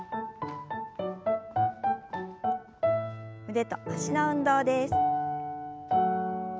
腕と脚の運動です。